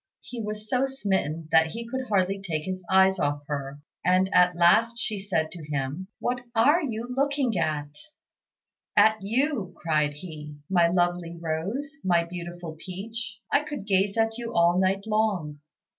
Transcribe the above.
He was so smitten that he could hardly take his eyes off her, and at last she said to him, "What are you looking at?" "At you," cried he, "my lovely rose, my beautiful peach. I could gaze at you all night long."